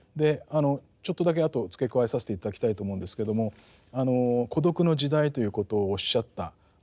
ちょっとだけあと付け加えさせて頂きたいと思うんですけども孤独の時代ということをおっしゃったわけですね。